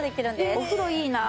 お風呂いいなあ。